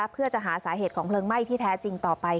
เพื่อจะหาสาเหตุของเพลิงไหม้ที่แท้จริงต่อไป